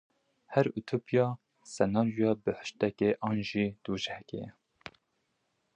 Her utopya, senaryoya bihuştekê an jî dojehekê ye.